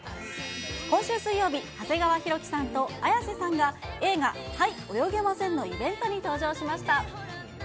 今週水曜日、長谷川博己さんと綾瀬さんが映画、はい、泳げませんのイベントに登場しました。